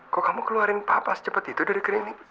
kok kamu keluarin papa secepat itu dari klinik